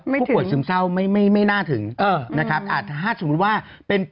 ไม่ถึงผู้ปวดซึมเศร้าไม่ไม่ไม่น่าถึงเออนะครับอ่าถ้าสมมุติว่าเป็น